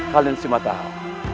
kalian semua tahu